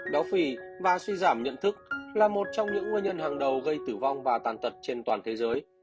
béo phì và suy giảm nhận thức là một trong những nguyên nhân hàng đầu gây tử vong và tàn tật trên toàn thế giới